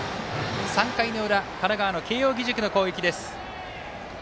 ３回の裏神奈川の慶応義塾の攻撃です。